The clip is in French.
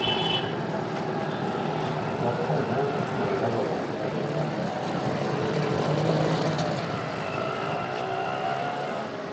les enfants montent sur le lavabo